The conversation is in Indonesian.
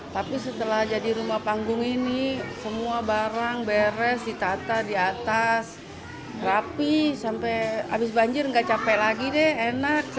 tapi setelah jadi rumah panggung ini semua barang beres ditata di atas rapi sampai habis banjir nggak capek lagi deh enak